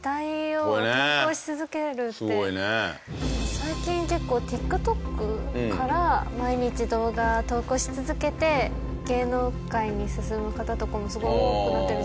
最近結構ＴｉｋＴｏｋから毎日動画を投稿し続けて芸能界に進む方とかもすごい多くなってるじゃないですか。